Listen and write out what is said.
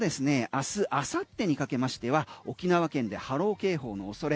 明日明後日にかけましては沖縄県で波浪警報の恐れ。